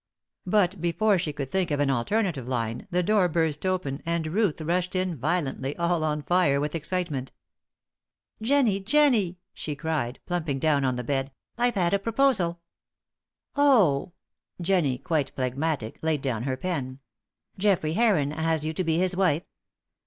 But before she could think of an alternative line the door burst open and Ruth rushed in violently, all on fire with excitement. "Jennie! Jennie! she cried, plumping down on the bed. I've had a proposal!" "Oh!" Jennie, quite phlegmatic, laid down her pen. "Geoffrey Heron has you to be his wife?"